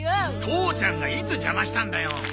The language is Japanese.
父ちゃんがいつ邪魔したんだよ！